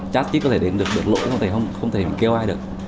chát chích có thể đến được được lỗi không thể kêu ai được